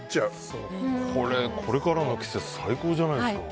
これからの季節最高じゃないですか。